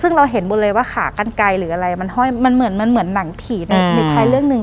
ซึ่งเราเห็นบนเลยว่าขากั้นไกลหรืออะไรมันเหมือนหนังผีในหนูคลายเรื่องนึง